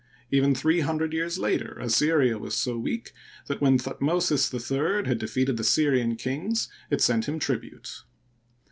Even three hun dred years later, Assyria was so weak that when Thutmo sis in had defeated the Syrian kings, it sent him tribute.